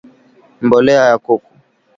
mbolea ya kuku